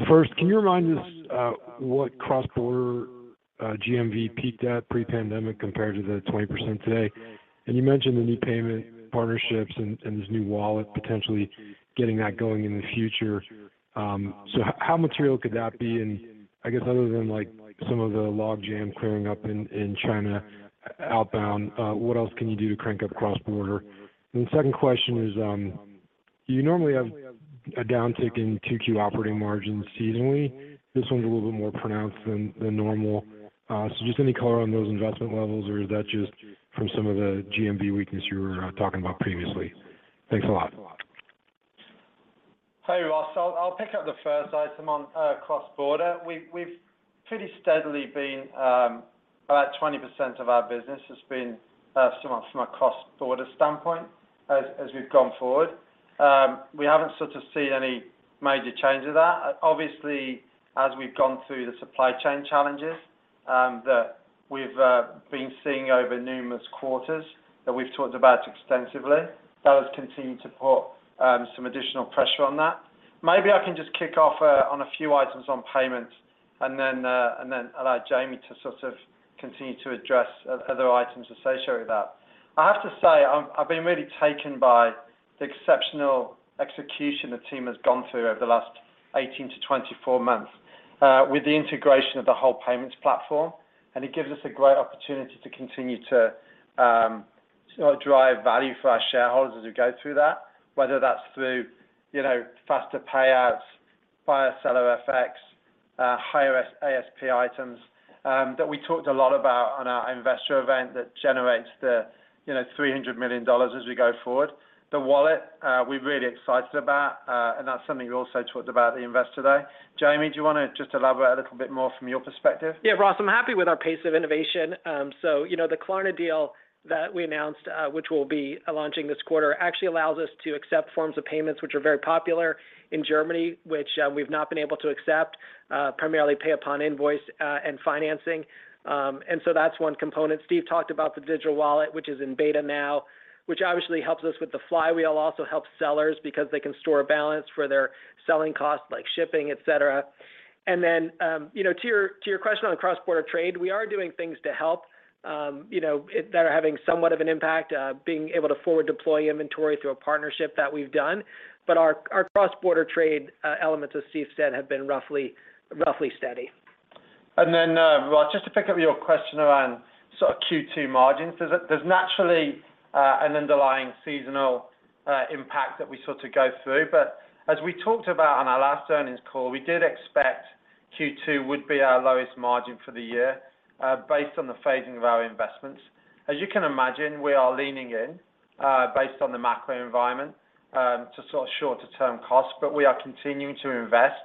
First, can you remind us what cross-border GMV peaked at pre-pandemic compared to the 20% today? You mentioned the new payment partnerships and this new wallet potentially getting that going in the future. How material could that be? I guess other than like some of the logjam clearing up in China outbound, what else can you do to crank up cross-border? The second question is, you normally have a downtick in 2Q operating margins seasonally. This one's a little bit more pronounced than normal. Just any color on those investment levels, or is that just from some of the GMV weakness you were talking about previously? Thanks a lot. Hey, Ross. I'll pick up the first item on cross-border. We've pretty steadily been about 20% of our business has been from a cross-border standpoint as we've gone forward. We haven't sort of seen any major change of that. Obviously, as we've gone through the supply chain challenges that we've been seeing over numerous quarters that we've talked about extensively, that has continued to put some additional pressure on that. Maybe I can just kick off on a few items on payments and then and then allow Jamie to sort of continue to address other items associated with that. I have to say, I've been really taken by the exceptional execution the team has gone through over the last 18 months-24 months with the integration of the whole payments platform. It gives us a great opportunity to continue to, you know, drive value for our shareholders as we go through that, whether that's through, you know, faster payouts, Buyer and Seller FX, higher ASP items, that we talked a lot about on our investor event that generates the, you know, $300 million as we go forward. The wallet, we're really excited about, and that's something we also talked about at the Investor Day. Jamie, do you wanna just elaborate a little bit more from your perspective? Yeah, Ross, I'm happy with our pace of innovation. So, you know, the Klarna deal that we announced, which we'll be launching this quarter, actually allows us to accept forms of payments which are very popular in Germany, which we've not been able to accept, primarily pay upon invoice, and financing. That's one component. Steve talked about the eBay wallet, which is in beta now, which obviously helps us with the flywheel, also helps sellers because they can store a balance for their selling costs like shipping, et cetera. You know, to your question on cross-border trade, we are doing things to help that are having somewhat of an impact, being able to forward deploy inventory through a partnership that we've done. Our cross-border trade elements, as Steve said, have been roughly steady. Ross, just to pick up your question around sort of Q2 margins. There's naturally an underlying seasonal impact that we sort of go through. As we talked about on our last earnings call, we did expect Q2 would be our lowest margin for the year, based on the phasing of our investments. As you can imagine, we are leaning in, based on the macro environment, to sort of shorter-term costs, but we are continuing to invest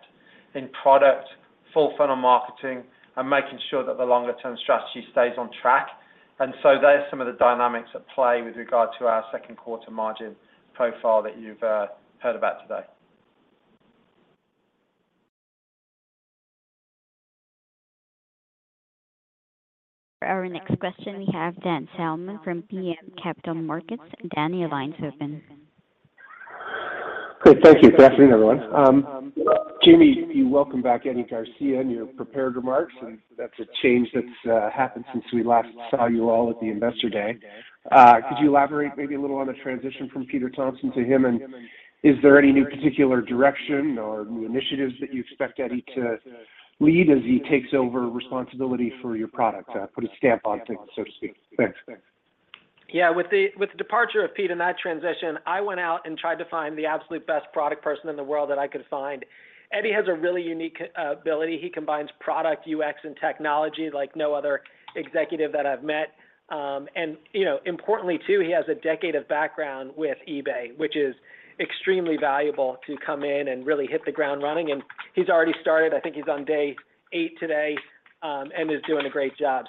in product, full funnel marketing, and making sure that the longer-term strategy stays on track. Those are some of the dynamics at play with regard to our second quarter margin profile that you've heard about today. Our next question we have Dan Salmon from BMO Capital Markets. Dan, your line's open. Great. Thank you. Good afternoon, everyone. Jamie, you welcomed back Eddie Garcia in your prepared remarks, and that's a change that's happened since we last saw you all at the Investor Day. Could you elaborate maybe a little on the transition from Pete Thompson to him? Is there any new particular direction or new initiatives that you expect Eddie to lead as he takes over responsibility for your product? Put a stamp on things, so to speak. Thanks. Yeah. With the departure of Pete and that transition, I went out and tried to find the absolute best product person in the world that I could find. Eddie has a really unique ability. He combines product, UX, and technology like no other executive that I've met. Importantly, too, he has a decade of background with eBay, which is extremely valuable to come in and really hit the ground running. He's already started. I think he's on day 8 today, and is doing a great job.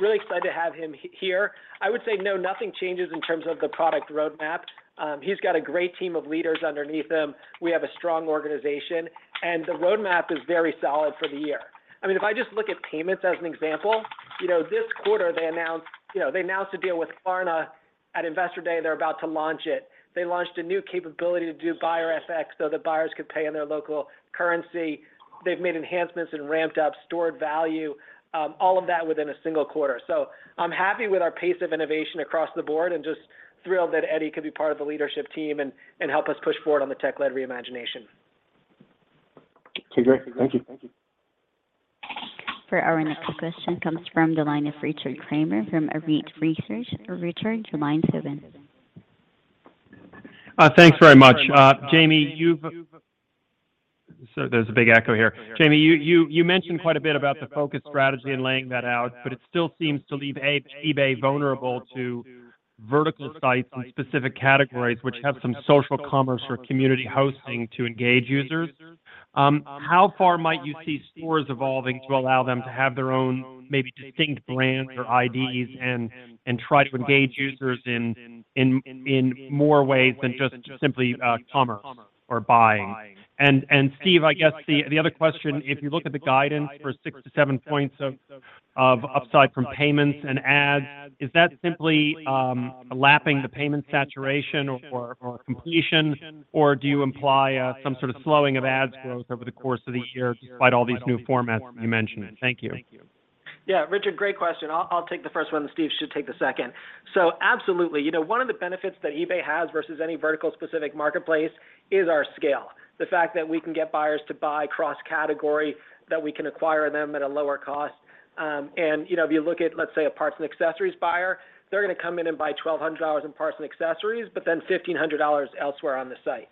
Really excited to have him here. I would say no, nothing changes in terms of the product roadmap. He's got a great team of leaders underneath him. We have a strong organization, and the roadmap is very solid for the year. I mean, if I just look at payments as an example, you know, this quarter, they announced, you know, they announced a deal with Klarna at Investor Day. They're about to launch it. They launched a new capability to do buyer FX so that buyers could pay in their local currency. They've made enhancements and ramped up stored value, all of that within a single quarter. I'm happy with our pace of innovation across the board and just thrilled that Eddie could be part of the leadership team and help us push forward on the tech-led reimagination. Okay, great. Thank you. For our next question comes from the line of Richard Kramer from Arete Research. Richard, your line's open. Thanks very much. Jamie, there's a big echo here. Jamie, you mentioned quite a bit about the focus strategy and laying that out, but it still seems to leave eBay vulnerable to vertical sites and specific categories, which have some social commerce or community hosting to engage users. How far might you see stores evolving to allow them to have their own, maybe distinct brands or IDs and try to engage users in more ways than just simply commerce or buying? Steve, I guess the other question, if you look at the guidance for 6 points to 7 points of upside from payments and ads, is that simply lapping the payment saturation or completion, or do you imply some sort of slowing of ads growth over the course of the year despite all these new formats you mentioned? Thank you. Yeah, Richard, great question. I'll take the first one. Steve should take the second. Absolutely. You know, one of the benefits that eBay has versus any vertical specific marketplace is our scale. The fact that we can get buyers to buy cross-category, that we can acquire them at a lower cost. You know, if you look at, let's say, a parts and accessories buyer, they're gonna come in and buy $1,200 in parts and accessories, but then $1,500 elsewhere on the site.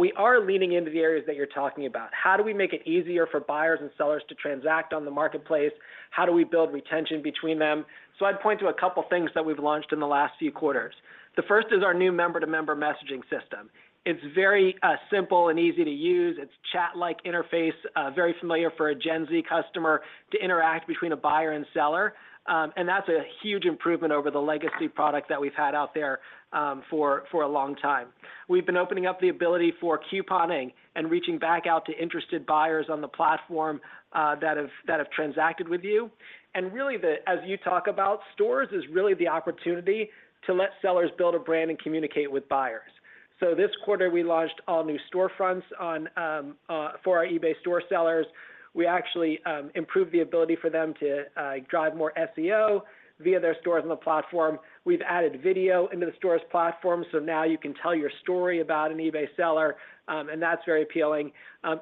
We are leaning into the areas that you're talking about. How do we make it easier for buyers and sellers to transact on the marketplace? How do we build retention between them? I'd point to a couple things that we've launched in the last few quarters. The first is our new member-to-member messaging system. It's very simple and easy to use. It's chat-like interface very familiar for a Gen Z customer to interact between a buyer and seller. That's a huge improvement over the legacy product that we've had out there for a long time. We've been opening up the ability for couponing and reaching back out to interested buyers on the platform that have transacted with you. Really as you talk about stores is really the opportunity to let sellers build a brand and communicate with buyers. This quarter, we launched all new storefronts on for our eBay store sellers. We actually improved the ability for them to drive more SEO via their stores on the platform. We've added video into the stores platform, so now you can tell your story about an eBay seller, and that's very appealing.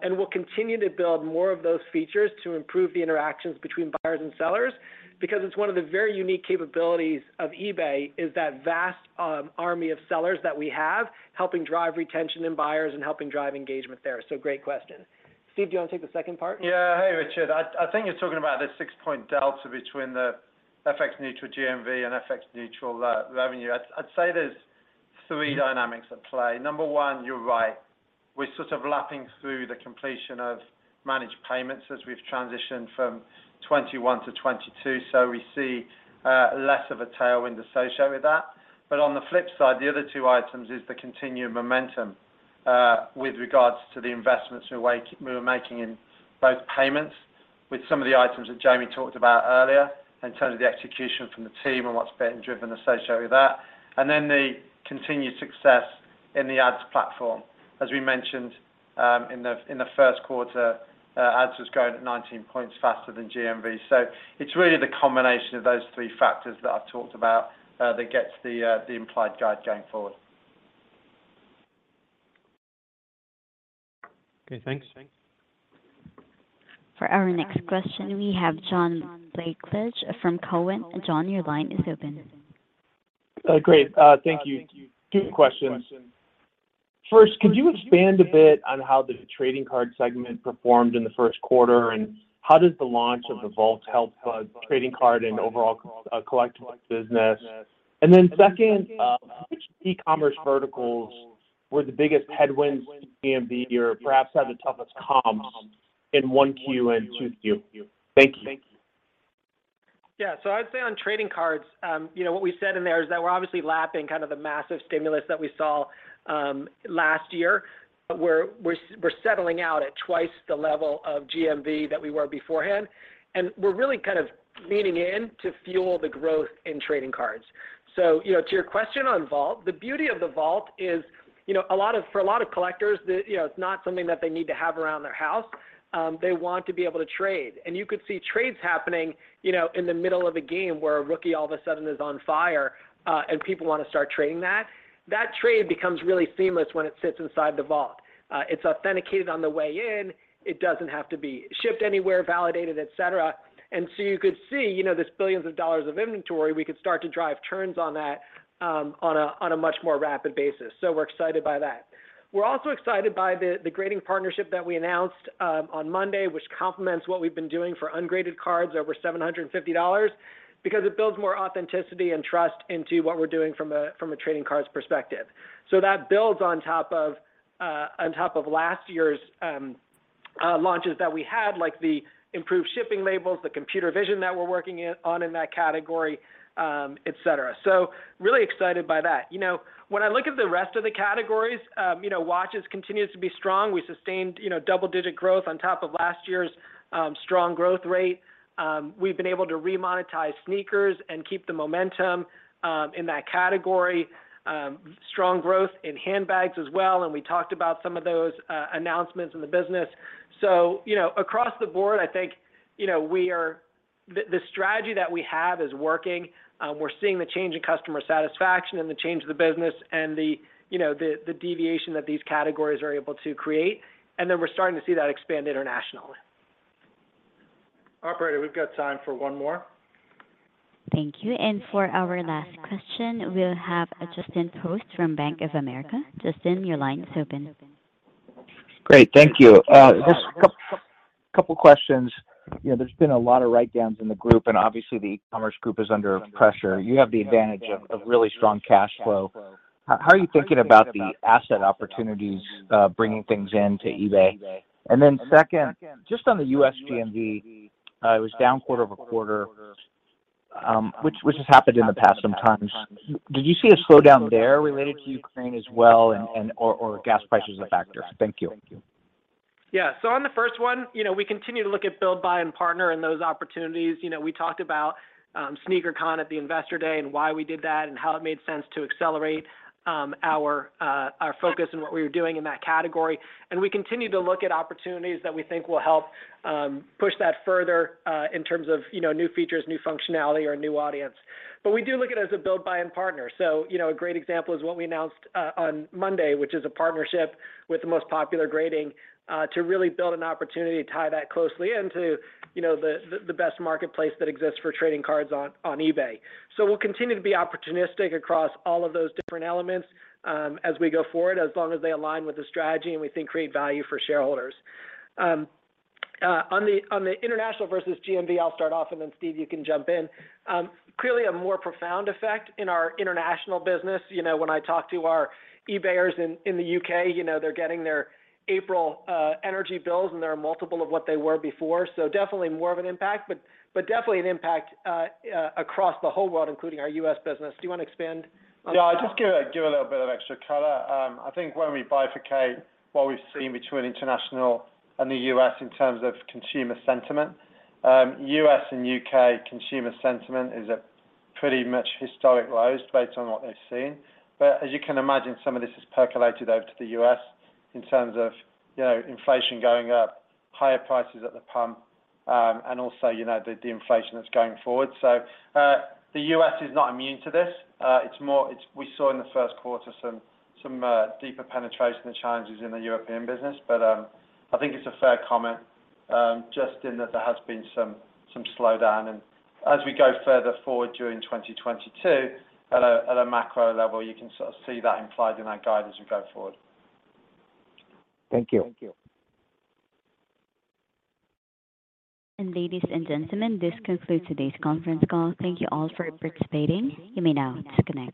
We'll continue to build more of those features to improve the interactions between buyers and sellers because it's one of the very unique capabilities of eBay is that vast army of sellers that we have, helping drive retention in buyers and helping drive engagement there. Great question. Steve, do you want to take the second part? Yeah. Hey, Richard. I think you're talking about the 6-point delta between the FX-neutral GMV and FX-neutral revenue. I'd say there's three dynamics at play. Number one, you're right. We're sort of lapping through the completion of managed payments as we've transitioned from 2021-2022. We see less of a tailwind associated with that. On the flip side, the other two items is the continuing momentum with regards to the investments we're making in both payments with some of the items that Jamie talked about earlier in terms of the execution from the team and what's being driven associated with that. Then the continued success in the ads platform. As we mentioned, in the first quarter, ads was growing at 19 points faster than GMV. It's really the combination of those three factors that I've talked about that gets the implied guide going forward. Okay, thanks. For our next question, we have John Blackledge from Cowen. John, your line is open. Great. Thank you. Two questions. First, could you expand a bit on how the trading card segment performed in the first quarter, and how does the launch of the Vault help the trading card and overall, collectible business? Second, which e-commerce verticals were the biggest headwinds to GMV or perhaps had the toughest comps in 1Q and 2Q? Thank you. Yeah. I'd say on trading cards, you know, what we said in there is that we're obviously lapping kind of the massive stimulus that we saw last year. We're settling out at twice the level of GMV that we were beforehand, and we're really kind of leaning in to fuel the growth in trading cards. To your question on Vault, the beauty of the Vault is, you know, a lot of for a lot of collectors, you know, it's not something that they need to have around their house. They want to be able to trade. You could see trades happening, you know, in the middle of a game where a rookie all of a sudden is on fire, and people wanna start trading that. That trade becomes really seamless when it sits inside the Vault. It's authenticated on the way in. It doesn't have to be shipped anywhere, validated, et cetera. You could see, you know, this billions of dollars of inventory, we could start to drive turns on that, on a much more rapid basis. We're excited by that. We're also excited by the grading partnership that we announced on Monday, which complements what we've been doing for ungraded cards over $750 because it builds more authenticity and trust into what we're doing from a trading cards perspective. That builds on top of last year's launches that we had, like the improved shipping labels, the computer vision that we're working on in that category, et cetera. Really excited by that. You know, when I look at the rest of the categories, you know, watches continues to be strong. We sustained, you know, double-digit growth on top of last year's strong growth rate. We've been able to remonetize sneakers and keep the momentum in that category. Strong growth in handbags as well, and we talked about some of those announcements in the business. You know, across the board, I think, you know, the strategy that we have is working. We're seeing the change in customer satisfaction and the change of the business and the, you know, the differentiation that these categories are able to create. Then we're starting to see that expand internationally. Operator, we've got time for one more. Thank you. For our last question, we'll have Justin Post from Bank of America. Justin, your line's open. Great. Thank you. Just a couple questions. You know, there's been a lot of write-downs in the group, and obviously the e-commerce group is under pressure. You have the advantage of really strong cash flow. How are you thinking about the asset opportunities, bringing things in to eBay? Second, just on the U.S. GMV, it was down quarter-over-quarter, which has happened in the past sometimes. Did you see a slowdown there related to Ukraine as well, or gas prices a factor? Thank you. Yeah. On the first one, you know, we continue to look at build, buy, and partner and those opportunities. You know, we talked about Sneaker Con at the Investor Day and why we did that and how it made sense to accelerate our focus and what we were doing in that category. We continue to look at opportunities that we think will help push that further in terms of, you know, new features, new functionality or a new audience. We do look at it as a build, buy, and partner. You know, a great example is what we announced on Monday, which is a partnership with PSA to really build an opportunity to tie that closely into, you know, the best marketplace that exists for trading cards on eBay. We'll continue to be opportunistic across all of those different elements, as we go forward, as long as they align with the strategy, and we think create value for shareholders. On the international versus GMV, I'll start off, and then Steve, you can jump in. Clearly a more profound effect in our international business. You know, when I talk to our eBayers in the U.K., you know, they're getting their April energy bills, and they're a multiple of what they were before. Definitely more of an impact, but definitely an impact across the whole world, including our U.S. business. Do you wanna expand on that? Yeah. I'll just give a little bit of extra color. I think when we bifurcate what we've seen between international and the U.S. in terms of consumer sentiment, U.S. and U.K. consumer sentiment is at pretty much historic lows based on what they've seen. As you can imagine, some of this has percolated over to the U.S. in terms of, you know, inflation going up, higher prices at the pump, and also, you know, the inflation that's going forward. The U.S. is not immune to this. We saw in the first quarter some deeper penetration, the challenges in the European business. I think it's a fair comment, Justin, that there has been some slowdown. As we go further forward during 2022 at a macro level, you can sort of see that implied in our guide as we go forward. Thank you. Ladies and gentlemen, this concludes today's conference call. Thank you all for participating. You may now disconnect.